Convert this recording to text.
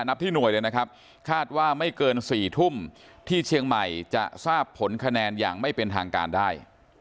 ที่หน่วยเลยนะครับคาดว่าไม่เกิน๔ทุ่มที่เชียงใหม่จะทราบผลคะแนนอย่างไม่เป็นทางการได้